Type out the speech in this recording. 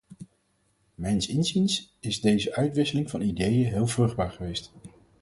Mijns inziens is deze uitwisseling van ideeën heel vruchtbaar geweest.